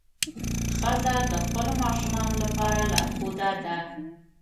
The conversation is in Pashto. ښځه د خپلو ماشومانو لپاره لارښوده ده.